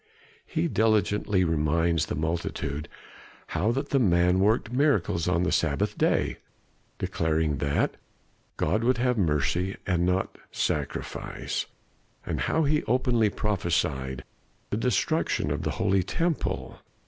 He diligently reminds the multitude how that the man worked miracles on the Sabbath day, declaring that God would have mercy and not sacrifice, and how he openly prophesied the destruction of the Holy Temple.